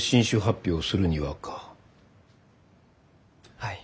はい。